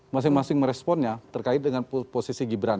masing masing meresponnya terkait dengan posisi gibran